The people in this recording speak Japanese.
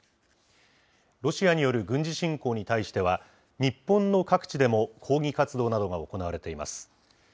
ロシアによる軍事侵攻に対しては、日本の各地でも抗議活動などが行われています。